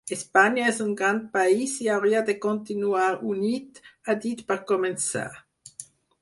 Espanya és un gran país i hauria de continuar unit, ha dit per començar.